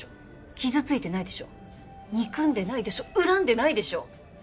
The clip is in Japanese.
傷ついてないでしょ憎んでないでしょ恨んでないでしょ